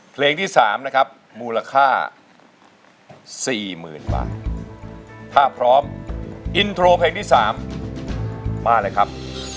เพลงที่๓นะครับมูลค่า๔๐๐๐บาทถ้าพร้อมอินโทรเพลงที่๓มาเลยครับ